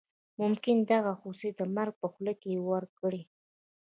ممکن دغه هوس د مرګ په خوله کې ورکړي.